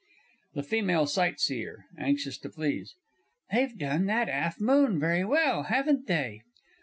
_ THE FEMALE SIGHTSEER (anxious to please). They've done that 'alf moon very well, haven't they?